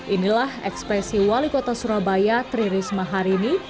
inilah ekspresi wali kota surabaya tri risma harini